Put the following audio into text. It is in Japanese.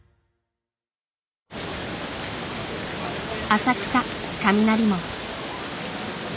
浅草雷門。